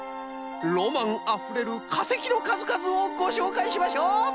ロマンあふれるかせきのかずかずをごしょうかいしましょう。